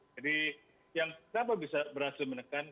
jadi yang kenapa bisa berhasil menekan